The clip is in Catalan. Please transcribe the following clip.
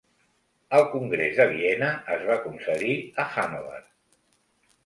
El Congrés de Viena es va concedir a Hannover.